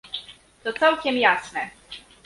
To całkiem jasne